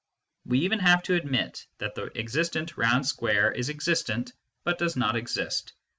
We even have to admit that the existent round square is existent, but does not exist.